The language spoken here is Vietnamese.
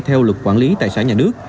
theo luật quản lý tài sản nhà nước